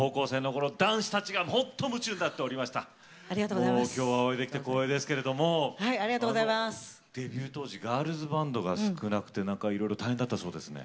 きょうはお会いできて光栄ですけれどもデビュー当時ガールズバンドが少なくていろいろ大変だったそうですね。